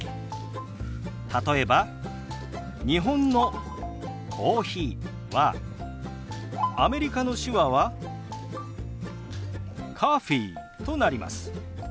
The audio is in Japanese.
例えば日本の「コーヒー」はアメリカの手話は「ｃｏｆｆｅｅ」となります。